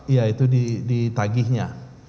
iya itu di tagihnya